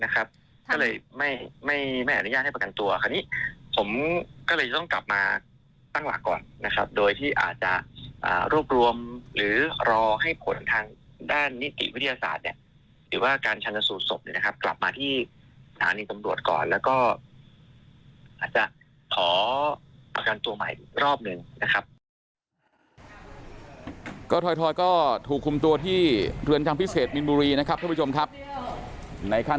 ก็เลยไม่ออนุญาตให้ประกันตัวคราวนี้ผมก็เลยต้องกลับมาตั้งหลักก่อน